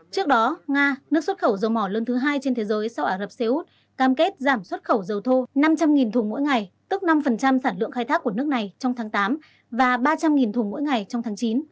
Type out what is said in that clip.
trước đó nga nước xuất khẩu dầu mỏ lớn thứ hai trên thế giới sau ả rập xê út cam kết giảm xuất khẩu dầu thô năm trăm linh thùng mỗi ngày tức năm sản lượng khai thác của nước này trong tháng tám và ba trăm linh thùng mỗi ngày trong tháng chín